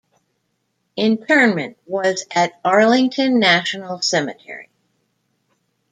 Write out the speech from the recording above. Interment was at Arlington National Cemetery.